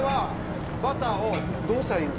バターをどうしたらいいの？